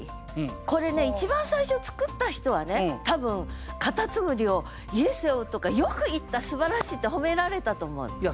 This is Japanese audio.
これね一番最初作った人はね多分蝸牛を「家」「背負う」とかよく言ったすばらしいって褒められたと思うの。